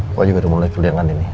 aku juga udah mulai kuliah kan ini